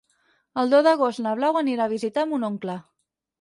El deu d'agost na Blau anirà a visitar mon oncle.